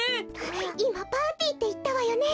いまパーティーっていったわよね？